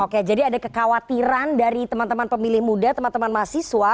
oke jadi ada kekhawatiran dari teman teman pemilih muda teman teman mahasiswa